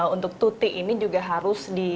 untuk tuti ini juga harus di